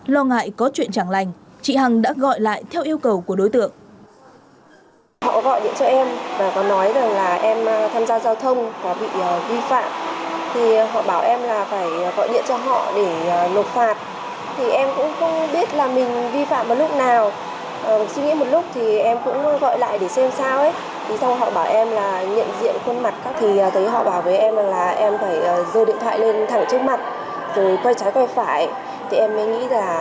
lo ngại có chuyện chẳng lành chị hằng đã gọi lại theo yêu cầu của đối tượng